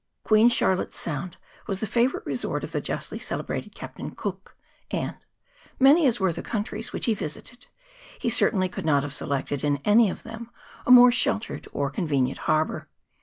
Queen Charlotte's Sound was the favourite resort of the justly celebrated Captain Cook, and, many as were the countries which he visited, he certainly could not have selected in any of them a more sheltered or convenient harbour.